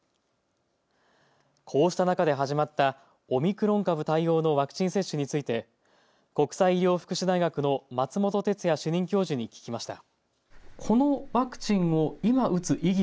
こうした中で始まったオミクロン株対応のワクチン接種について国際医療福祉大学の松本哲哉主任教授に聞きました。